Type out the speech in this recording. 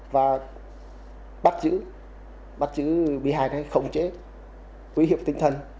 và bắt giữ bị hài này khổng chế quý hiệp tinh thần